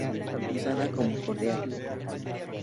Usada como cordial.